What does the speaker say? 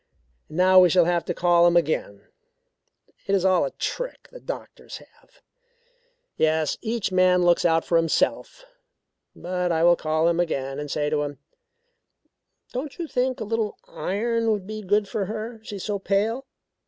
Now we shall have to call him again. It is all a trick that doctors have. Yes, each man looks out for himself. But I will call him again and say to him: 'Don't you think a little iron would be good for her, she is so pale?'